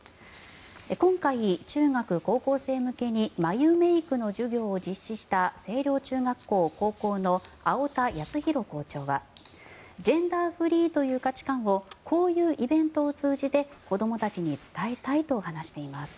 今回、中学・高校生向けに眉メイクの授業を実施した青稜中学校・高校の青田泰明校長はジェンダーフリーという価値観をこういうイベントを通じて子どもたちに伝えたいと話しています。